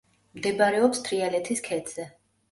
მდებარეობს თრიალეთის ქედზე.